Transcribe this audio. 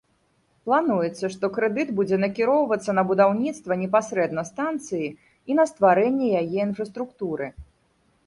Плануецца, што крэдыт будзе накіроўвацца на будаўніцтва непасрэдна станцыі і на стварэнне яе інфраструктуры.